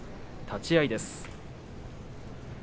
立ち合いです。